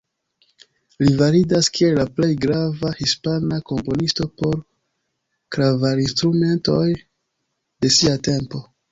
Li validas kiel la plej grava Hispana komponisto por klavarinstrumentoj de sia tempo.